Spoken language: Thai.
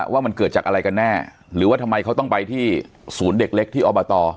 ว่ามันเกิดจากอะไรกันแน่หรือว่าทำไมเขาต้องไปที่ศูนย์เด็กเล็กที่อบต